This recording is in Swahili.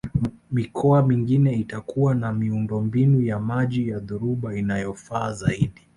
Mikoa mingine itakuwa na miundombinu ya maji ya dhoruba inayofaa zaidi